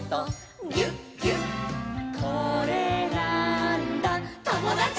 「これなーんだ『ともだち！』」